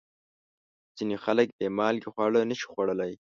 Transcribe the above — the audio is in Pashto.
ځینې خلک بې مالګې خواړه نشي خوړلی.